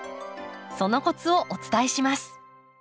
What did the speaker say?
そのコツをお伝えします。